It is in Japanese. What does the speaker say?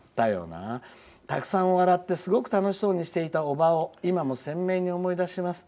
たくさん笑ってすごく楽しそうにしていたおばを今も鮮明に思い出します。